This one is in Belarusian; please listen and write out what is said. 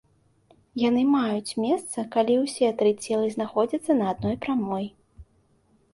Яны маюць месца, калі ўсе тры целы знаходзяцца на адной прамой.